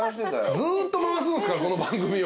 ずっと回すんすからこの番組は。